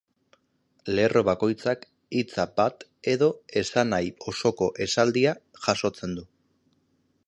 Lerro bakoitzak hitza bat edo esanahi osoko esaldia jasotzen du.